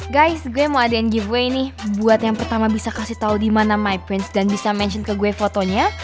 guys gue mau ada yang giveay nih buat yang pertama bisa kasih tau di mana my prince dan bisa mention ke gue fotonya